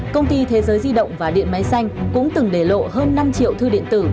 công ty thế giới di động và điện máy xanh cũng từng để lộ hơn năm triệu thư điện tử